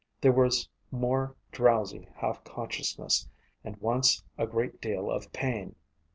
There was more drowsy half consciousness, and once a great deal of pain.